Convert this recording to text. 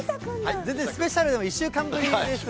全然スペシャルでも、１週間ぶりですが。